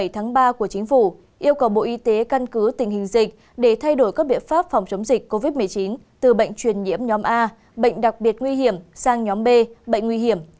tháng ba của chính phủ yêu cầu bộ y tế căn cứ tình hình dịch để thay đổi các biện pháp phòng chống dịch covid một mươi chín từ bệnh truyền nhiễm nhóm a bệnh đặc biệt nguy hiểm sang nhóm b bệnh nguy hiểm